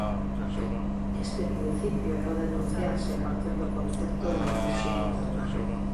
Este principio pode enunciarse a partir do concepto de enerxía interna.